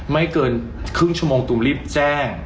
ไม่เกินครึ่งชั่วโมงตุ๋มรีบแจ้ง